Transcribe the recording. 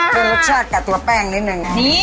เป็นรสชาติกับตัวแป้งนิดนึง